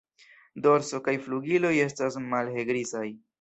Dorso kaj flugiloj estas malhelgrizaj.